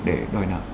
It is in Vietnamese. để đòi nợ